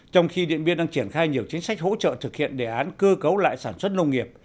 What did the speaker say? trong khi điện biên đang triển khai nhiều chính sách hỗ trợ thực hiện đề án cơ cấu lại sản xuất nông nghiệp